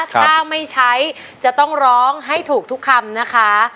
ถ้าไม่ใช้จะต้องร้องให้ถูกทุกคำนะคะ